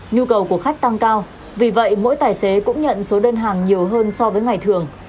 nhu cầu của khách tăng cao vì vậy mỗi tài xế cũng nhận số đơn hàng nhiều hơn so với ngày thường